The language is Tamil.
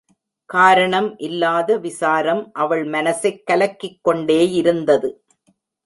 காரணம் இல்லாத விசாரம் அவள் மனசைக் கலக்கிக் கொண்டே இருந்தது.